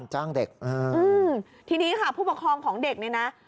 จ้างเด็กทีนี้ค่ะผู้ปกครองของเด็กเนี่ยนะ